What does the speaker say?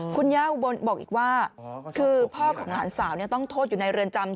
คุณย่าอุบลบอกอีกว่าคือพ่อของหลานสาวต้องโทษอยู่ในเรือนจำ